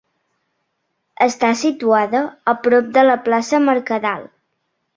Està situada a prop de la Plaça Mercadal.